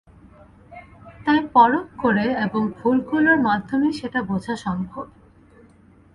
তাই পরখ করে এবং ভুলগুলোর মাধ্যমেই সেটা বোঝা সম্ভব।